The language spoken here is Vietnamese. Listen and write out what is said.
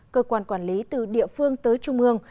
cơ quan quản lý từ địa phương tới trung ương